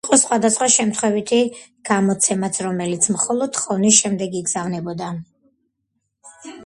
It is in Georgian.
იყო სხვადასხვა შემთხვევითი გამოცემაც, რომელიც მხოლოდ თხოვნის შემდეგ იგზავნებოდა.